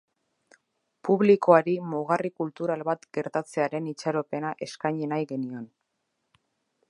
Publikoari mugarri kultural bat gertatzearen itxaropena eskaini nahi genion.